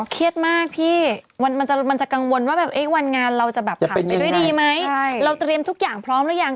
เครียดมากพี่มันจะกังวลว่าแบบวันงานเราจะแบบผ่านไปด้วยดีไหมเราเตรียมทุกอย่างพร้อมหรือยัง